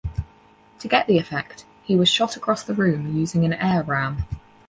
To get the effect, he was shot across the room using an air ram.